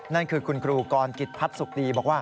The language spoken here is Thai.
นั้นคือคุณครูกรกิจพัดสุฎี